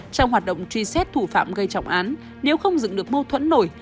trong hoạt động truy xét thủ phạm gây trọng án nếu không dựng được mâu thuẫn nổi